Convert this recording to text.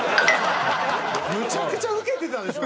むちゃくちゃウケてたでしょ？